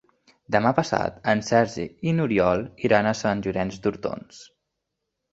Demà passat en Sergi i n'Oriol iran a Sant Llorenç d'Hortons.